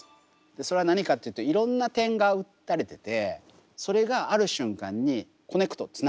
それは何かっていうといろんな点が打たれててそれがある瞬間にコネクトつながる。